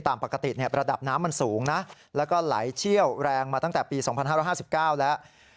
ตามปกติระดับน้ำมันสูงนะแล้วก็ไหลเชี่ยวแรงมาตั้งแต่ปี๒๕๕๙แล้ว